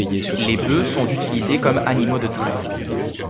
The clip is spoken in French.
Les bœufs sont utilisés comme animaux de trait.